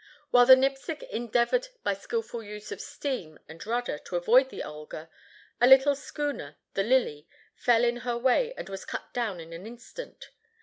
While the Nipsic endeavored by skillful use of steam and rudder to avoid the Olga, a little schooner, the Lily, fell in her way and was cut down in an instant.